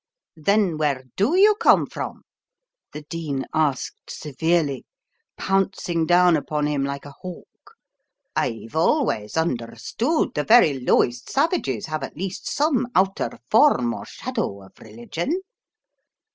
"Then where do you come from?" the Dean asked severely, pouncing down upon him like a hawk. "I've always understood the very lowest savages have at least some outer form or shadow of religion."